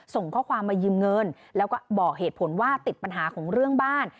ส่งข้อความมายืมเงินแล้วก็บอกเหตุผลว่าติดปัญหาของเรื่องบ้าน